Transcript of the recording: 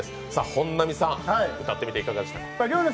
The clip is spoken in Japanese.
本並さん、歌ってみていかがでしたか？